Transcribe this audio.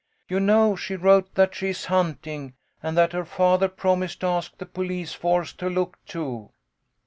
" You know she wrote that she is hunting, and that her father promised to ask the police force to look, too."